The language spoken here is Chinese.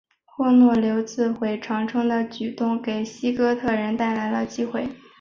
霍诺留自毁长城的举动给西哥特人带来了机会。